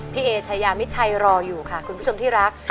เอชายามิดชัยรออยู่ค่ะคุณผู้ชมที่รัก